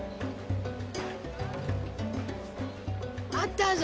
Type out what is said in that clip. あったぞ！